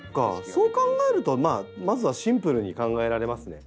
そう考えるとまずはシンプルに考えられますね。